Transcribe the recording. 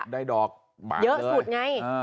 ได้ดอกเยอะสุดไง